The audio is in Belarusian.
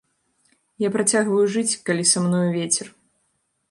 Я працягваю жыць, калі са мною вецер.